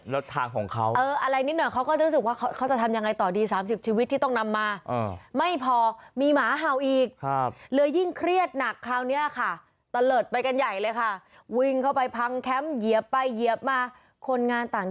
แล้วทางของเขา